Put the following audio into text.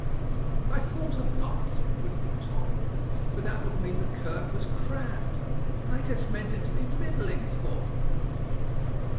"I thought of mask," whimpered Tommy, "but that would mean the kirk was crammed, and I just meant it to be middling full."